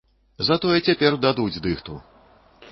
Затое цяпер дадуць дыхту!